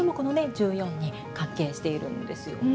１４に関係しているんですよね。